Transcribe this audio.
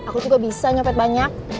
aku juga bisa nyopet banyak